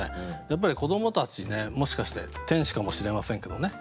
やっぱり子どもたちもしかして天使かもしれませんけどね